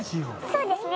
そうですね。